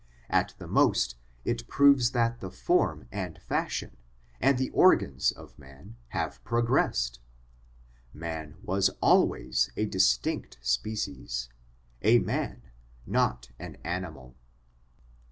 At the most it proves that the form, and fashion, and the organs of man have progressed. Man was always a distinct species, a man, not an animal.